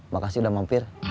makasih udah mampir